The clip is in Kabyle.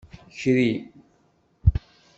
Kri.